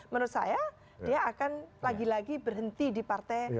menurut saya dia akan lagi lagi berhenti di partai